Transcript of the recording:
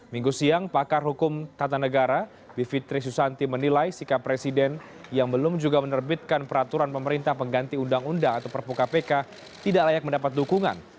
minggu siang pakar hukum tata negara bivitri susanti menilai sikap presiden yang belum juga menerbitkan peraturan pemerintah pengganti undang undang atau perpuka pk tidak layak mendapat dukungan